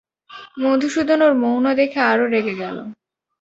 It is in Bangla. মধুসূদন ওর মৌন দেখে আরো রেগে গেল।